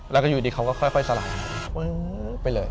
แล้วก็อยู่ดีเขาก็ค่อยสลายปึ้งไปเลย